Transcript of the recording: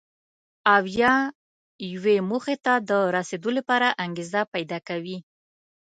او یا یوې موخې ته د رسېدو لپاره انګېزه پیدا کوي.